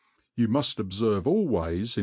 You muft obiSyye always, in b.